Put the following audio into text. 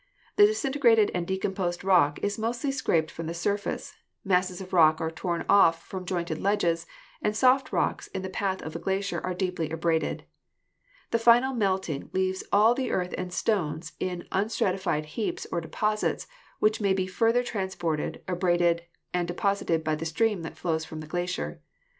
The disintegrated and decomposed rock is mostly scraped from the surface, masses of rock are torn off from jointed ledges, and soft rocks in the path of the glacier are deeply abraded. The final melting leaves all the earth and stones in un stratified heaps or deposits, which may be further trans ported, abraded and deposited by the stream that flows from the glacier.